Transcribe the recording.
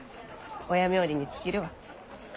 親冥利に尽きるわ。